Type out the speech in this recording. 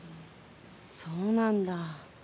そうなんだ。